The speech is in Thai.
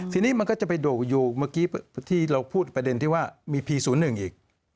ทีนี้มันก็จะไปโด่งอยู่เมื่อกี้ที่เราพูดประเด็นที่ว่ามีพี๐๑อีก